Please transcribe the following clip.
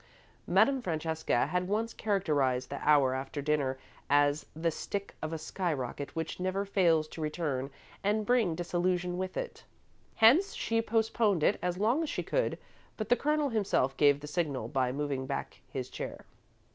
Madame Francesca had once characterised the hour after dinner as "the stick of a sky rocket, which never fails to return and bring disillusion with it." Hence she postponed it as long as she could, but the Colonel himself gave the signal by moving back his chair.